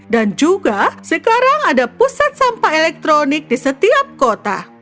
dan juga sekarang ada pusat sampah elektronik di setiap rumah